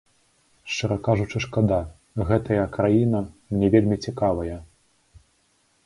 Шчыра кажучы, шкада, гэтая краіна мне вельмі цікавая.